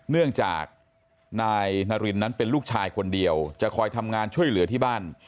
เนื่องจากนายนารินนั้นเป็นลูกชายคนเดียวจะคอยทำงานช่วยเหลือที่บ้าน